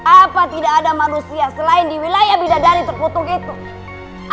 apa tidak ada manusia selain di wilayah bidan dari turkutuk itu